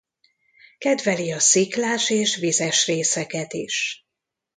Kedveli a sziklás és vizes részeket is.